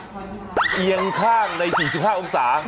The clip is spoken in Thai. การนอนเอียงข้างใน๔๕องศา